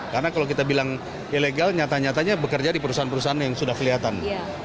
karena kalau kita bilang ilegal nyata nyatanya bekerja di perusahaan perusahaan yang sudah kelihatan